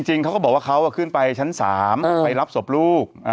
จริงเขาก็บอกว่าเขาขึ้นไปชั้น๓ไปรับศพลูก